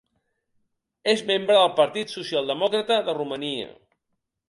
És membre del Partit Socialdemòcrata de Romania.